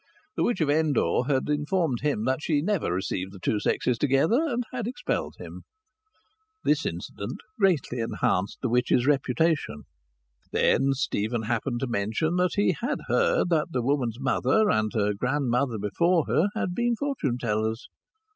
The witch of Endor had informed him that she never received the two sexes together, and had expelled him. This incident greatly enhanced the witch's reputation. Then Stephen happened to mention that he had heard that the woman's mother, and her grandmother before her, had been fortune tellers.